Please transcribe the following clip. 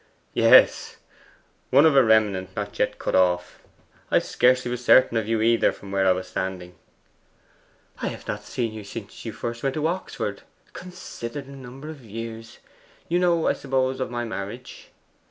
'Yes, one of a remnant not yet cut off. I scarcely was certain of you, either, from where I was standing.' 'I have not seen you since you first went to Oxford; consider the number of years! You know, I suppose, of my marriage?